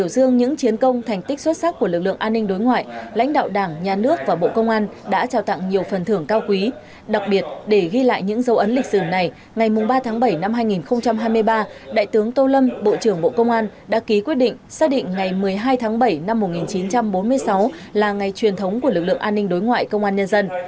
để ghi lại những dấu ấn lịch sử này ngày ba bảy hai nghìn hai mươi ba đại tướng tô lâm bộ trưởng bộ công an đã ký quyết định xác định ngày một mươi hai bảy một nghìn chín trăm bốn mươi sáu là ngày truyền thống của lực lượng an ninh đối ngoại công an nhân dân